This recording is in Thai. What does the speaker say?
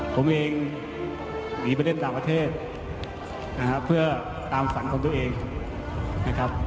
ผมเองหนีประเทศต่างประเทศเพื่อตามศัลของตัวเองนะครับ